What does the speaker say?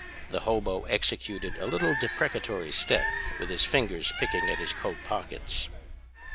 "The hobo executed a little deprecatory step, with his fingers picking at his coat pockets.